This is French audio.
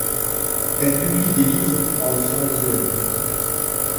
Elle publie des livres pour enfants et adultes.